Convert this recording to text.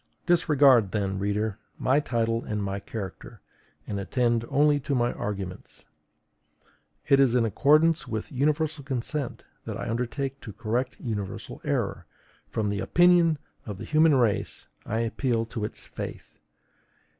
Disregard then, reader, my title and my character, and attend only to my arguments. It is in accordance with universal consent that I undertake to correct universal error; from the OPINION of the human race I appeal to its FAITH.